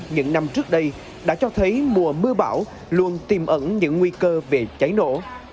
những năm trước đây đã cho thấy mùa mưa bão luôn tìm ẩn những nguy cơ về cháy nổ